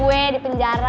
bokap gue di penjara